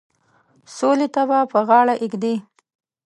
سولي ته به غاړه ایږدي.